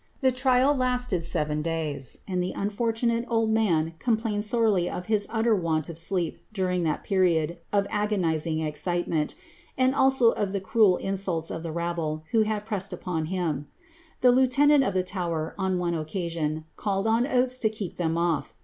Bsted seven days, and the unfortunate old man complained is utter want of sleep during that period of agonizing excite ilso of the cruel insults of the rabble, who had pressed upon lieutenant of the Tower, on one occasion, called on Oates to off.